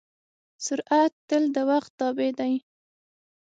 سرعت تل د وخت تابع دی.